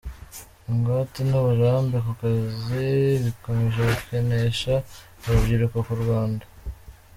Ingwate n’uburambe ku kazi bikomeje gukenesha urubyiruko rw’u Rwanda